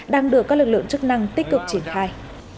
đang được các lực lượng chức năng tích cực triển khai